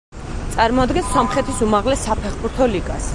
წარმოადგენს სომხეთის უმაღლეს საფეხბურთო ლიგას.